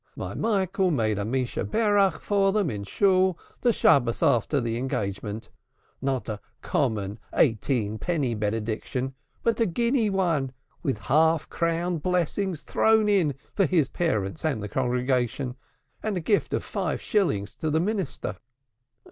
My Michael made a Missheberach for them in synagogue the Sabbath after the engagement; not a common eighteen penny benediction, but a guinea one, with half crown blessings thrown in for his parents and the congregation, and a gift of five shillings to the minister.